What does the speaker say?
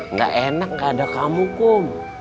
nggak enak nggak ada kamu kum